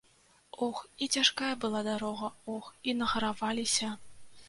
Ох і цяжкая была дарога, ох і нагараваліся.